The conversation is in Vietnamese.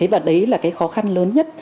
và đấy là cái khó khăn lớn nhất